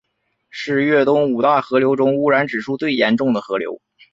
是粤东五大河流中污染指数最严重的河流。